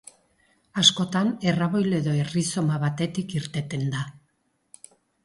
Askotan erraboil edo errizoma batetik irteten da.